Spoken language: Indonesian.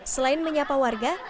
selain menyapa warga